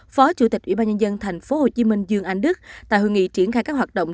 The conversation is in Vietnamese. phó chủ tịch ủy ban nhân dân tp hcm dương anh đức tại hội nghị triển khai các hoạt động